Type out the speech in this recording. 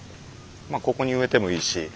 まあここに植えてもいいし。